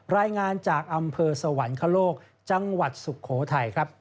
รายงานจากอำเภอสวรรคโลกจังหวัดสุโขทัยครับ